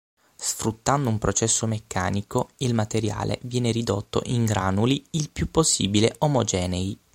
Sfruttando un processo meccanico il materiale viene ridotto in granuli il più possibile omogenei.